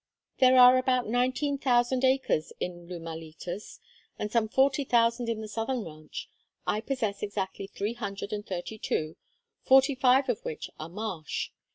"There are about nineteen thousand acres in Lumalitas, and some forty thousand in the southern ranch. I possess exactly three hundred and thirty two, forty five of which are marsh.